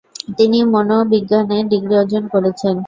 তিনি মনোবিজ্ঞানে ডিগ্রি অর্জন করেছেন।